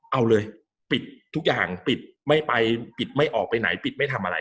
เอาเลยปิดทุกอย่างปิดไม่ไปปิดไม่ออกไปไหนปิดไม่ทำอะไร